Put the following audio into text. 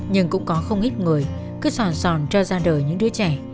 nhưng cũng có không ít người cứ sòn sòn cho ra đời những đứa trẻ